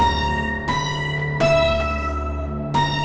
aku cuma ingin berbahaya